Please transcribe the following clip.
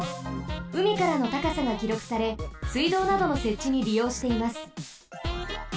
うみからのたかさがきろくされ水道などのせっちにりようしています。